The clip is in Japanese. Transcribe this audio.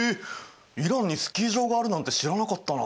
イランにスキー場があるなんて知らなかったな。